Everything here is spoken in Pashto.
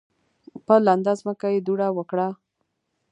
په لنده ځمکه یې دوړه وکړه.